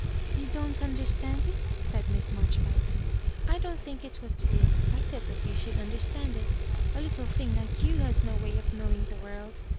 "Tou don't understand it?" said Miss Mar joribanks ; "I don't think it was to be expected that you should understand it A little thing like you has no way of knowing the world.